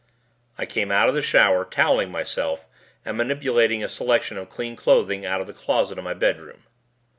I came out of the shower toweling myself and manipulating a selection of clean clothing out of the closet in my bedroom.